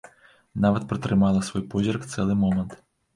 Нават пратрымала свой позірк цэлы момант.